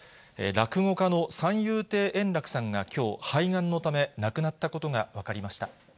落語家の三遊亭円楽さんが、きょう、肺がんのため亡くなったことが分かりました。